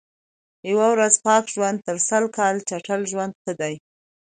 یوه ورځ پاک ژوند تر سل کال چټل ژوند ښه دئ.